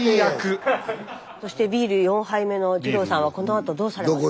そしてビール４杯目の二朗さんはこのあとどうされますか？